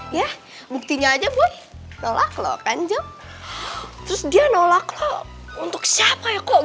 ya buktinya aja buat lolokan enjep terus dia nolak lho untuk siapa ya kok